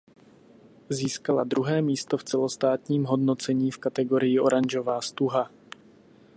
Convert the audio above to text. Získala druhé místo v celostátním hodnocení v kategorii Oranžová stuha.